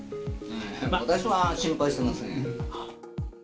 私は心配してません。